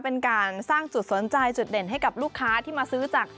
เป็นการสร้างจุดสนใจจุดเด่นให้กับลูกค้าที่มาซื้อจาก